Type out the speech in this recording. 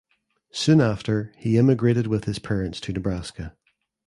Soon after he immigrated with his parents to Nebraska.